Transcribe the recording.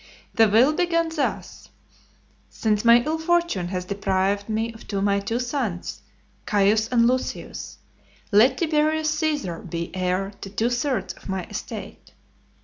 The will began thus: "Since my ill fortune has deprived me of my two sons, Caius and Lucius, let Tiberius Caesar be heir to two thirds of my estate."